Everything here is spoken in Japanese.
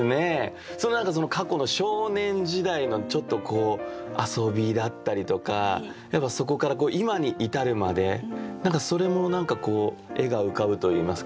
その何か過去の少年時代のちょっとこう遊びだったりとかそこから今に至るまでそれも何か絵が浮かぶといいますか。